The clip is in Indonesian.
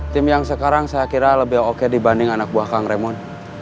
tim yang sekarang saya kira lebih oke dibanding anak buah kang remon